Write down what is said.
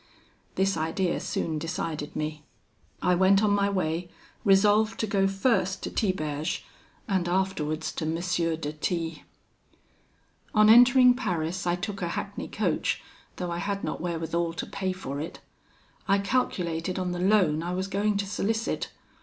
This idea soon decided me: I went on my way, resolved to go first to Tiberge, and afterwards to M. de T . "On entering Paris I took a hackney coach, though I had not wherewithal to pay for it; I calculated on the loan I was going to solicit.